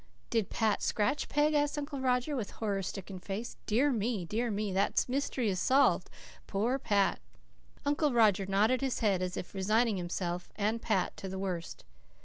"Did Pat scratch Peg?" asked Uncle Roger, with a horror stricken face. "Dear me! Dear me! That mystery is solved. Poor Pat!" Uncle Roger nodded his head, as if resigning himself and Pat to the worst.